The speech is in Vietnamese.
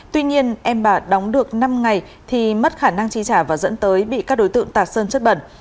tuy nhiên em bà đóng được năm ngày thì mất khả năng chi trả và dẫn tới bị các đối tượng tạt sơn chất bẩn